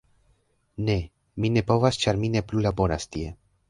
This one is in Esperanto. "Ne. Mi ne povas ĉar mi ne plu laboras tie.